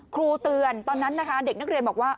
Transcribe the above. ครูเตือนตอนนั้นนะคะเด็กนักเรียนบอกว่า